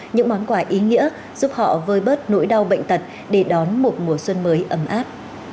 những món quà ý nghĩa giúp họ vơi bớt nỗi đau bệnh tật để đón một mùa xuân mới ấm áp